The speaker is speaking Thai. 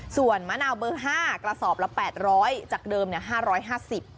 ส่วนมะนาวเบอร์๕กระสอบละ๘๐๐จากเดิมเนี่ย๕๕๐